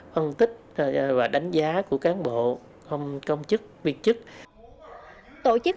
phân tích và đánh giá của cán bộ công chức viên chức